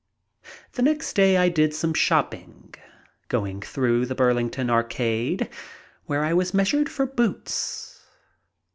The next day I did some shopping, going through the Burlington Arcade, where I was measured for boots.